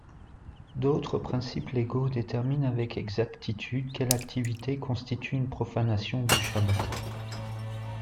D'autres principes légaux déterminent avec exactitude quelle activité constitue une profanation du chabbat.